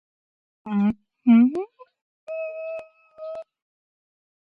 პარლამენტი დაუყოვნებლივ იღებს კანონს, რომელიც მსჯავრდებულებს დეპუტატად გახდომის უფლებას უკრძალავს.